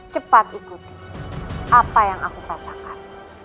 cepat ikuti apa yang aku katakan